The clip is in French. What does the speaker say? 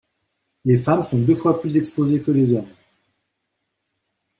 Les femmes sont deux fois plus exposées que les hommes.